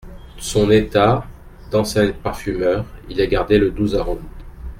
D’ son état d’ancien parfumeur Il a gardé le doux arome !